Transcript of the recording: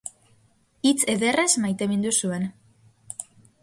Hitz ederrez maitemindu zuen.